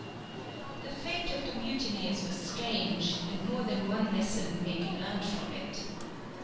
The fate of the mutineers was strange, and more than one lesson may be learnt from it.